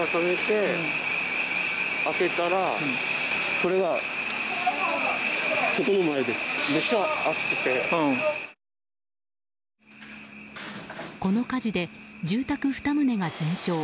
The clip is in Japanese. この火事で住宅２棟が全焼。